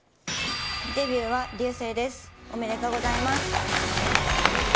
デビューは竜青です。おめでとうございます。